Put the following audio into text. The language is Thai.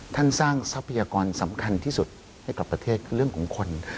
สร้างทรัพยากรสำคัญที่สุดให้กับประเทศคือเรื่องของคน